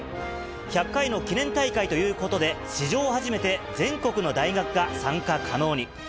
１００回の記念大会ということで、史上初めて全国の大学が参加可能に。